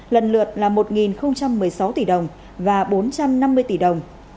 lần lượt là một một mươi sáu tỷ đồng và bốn trăm năm mươi tỷ đồng